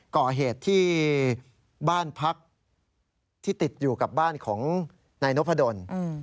ก่อเหตุที่บ้านพักที่ติดอยู่กับบ้านของนายนพดล